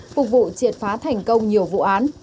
phục vụ triệt phá thành công nhiều vụ án